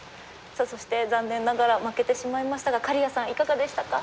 さあそして残念ながら負けてしまいましたが刈谷さんいかがでしたか？